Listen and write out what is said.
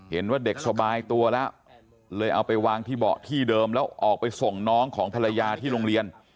เห็นว่าเด็กสบายตัวแล้วเลยเอาไปวางที่เบาะที่เดิมแล้วออกไปส่งน้องของภรรยาที่โรงเรียน